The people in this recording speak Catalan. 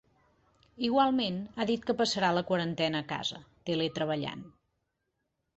Igualment, ha dit que passarà la quarantena a casa, teletreballant.